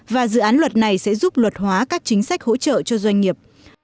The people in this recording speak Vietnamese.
và dự án luật này sẽ giúp luật hóa các chính sách hỗ trợ cho doanh nghiệp